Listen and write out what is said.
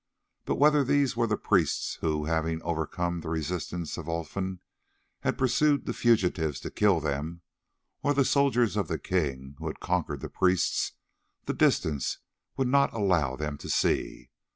But whether these were the priests who, having overcome the resistance of Olfan, had pursued the fugitives to kill them, or the soldiers of the king who had conquered the priests, the distance would not allow them to see.